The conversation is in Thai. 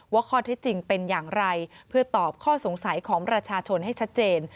ข้อเท็จจริงเป็นอย่างไรเพื่อตอบข้อสงสัยของประชาชนให้ชัดเจน